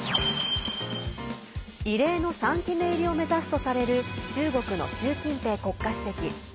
異例の３期目入りを目指すとされる中国の習近平国家主席。